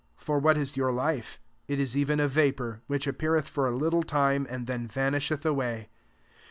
(For what in your life ? It is even a vapour, which ap peareth for a little time, and then vanisheth away.)